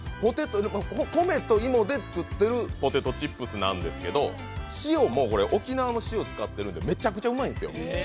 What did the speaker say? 米と芋で作ってるポテトチップスなんですけど塩も沖縄の塩を使ってるんでめちゃくちゃうまいんです。